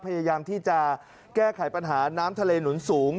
พยายามที่จะแก้ไขปัญหาน้ำทะเลหนุนสูง